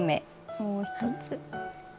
もう１つ。